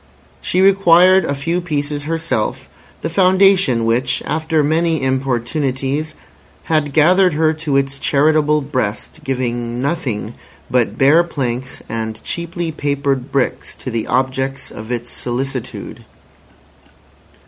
She required a few pieces herself, the Foundation which, after many importunities, had gathered her to its charitable breast, giving nothing but bare planks and cheaply papered bricks to the objects of its solicitude.